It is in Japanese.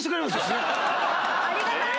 ありがたい！